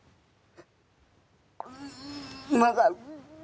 ลุงเอี่ยมอยากให้อธิบดีช่วยอะไรไหม